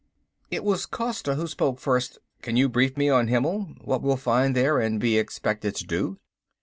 It was Costa who spoke first. "Can you brief me on Himmel what we'll find there, and be expected to do?"